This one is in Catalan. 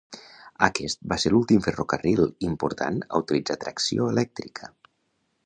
Aquest va ser l'últim ferrocarril important a utilitzar tracció elèctrica.